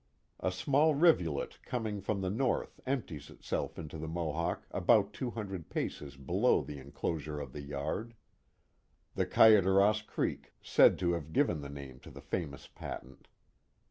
A small rivulet coming from the north empties itself into the Mohawk about two hundred paces below the enclosure of the yard. (The Kayaderos Creek, said to have given the name to the famous patent.)